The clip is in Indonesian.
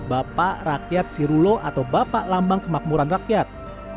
bapak rakyat sirulo atau bapak lambang kemakmuran rakyat